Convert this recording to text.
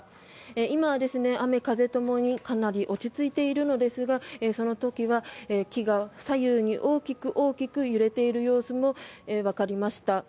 今は雨風ともにかなり落ち着いているのですがその時は、木が左右に大きく大きく揺れている様子もわかりました。